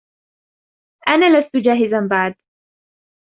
أنا لست جاهزًا بعد.